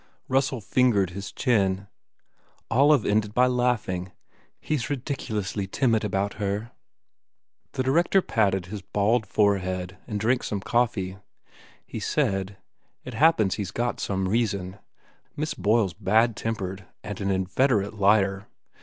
Russell fingered his chin. Olive ended by laughing, "He s ridiculously timid about her." The director patted his bald forehead and drank some coffee. He said, "It happens that he s got some reason. Miss Boyle s bad tem pered and an inveterate liar.